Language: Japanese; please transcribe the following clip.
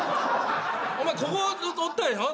お前ここずっとおったでしょ。